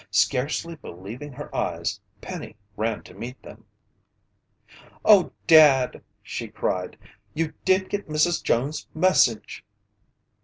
Scarcely believing her eyes, Penny ran to meet them. "Oh, Dad!" she cried. "You did get Mrs. Jones' message!"